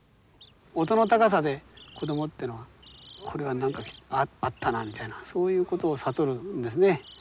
音の高さで子供っていうのは「これは何かあったな」みたいなそういうことを悟るんですね。